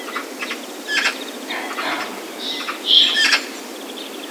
Catámolas xa.